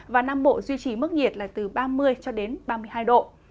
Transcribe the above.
và nam bộ duy trì mức nhiệt là từ ba mươi ba mươi hai độ